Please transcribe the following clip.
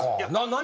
何？